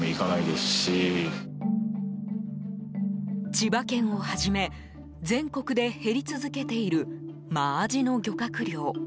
千葉県をはじめ全国で減り続けているマアジの漁獲量。